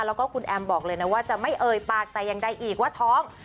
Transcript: แล้วก็คุณแอมบอกเลยนะว่าจะไม่เอ่ยปากแต่อย่างใดอีกว่าท้อง